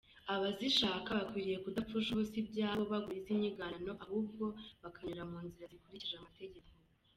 Abazishaka bakwiriye kudapfusha ubusa ibyabo bagura iz’inyiganano, ahubwo bakanyura mu nzira zikurikije amategeko."